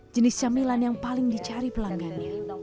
jenis camilan yang paling dicari pelanggannya